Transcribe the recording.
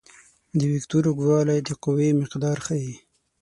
د وکتور اوږدوالی د قوې مقدار ښيي.